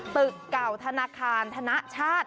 ตึกเก่าธนาคารธนชาติ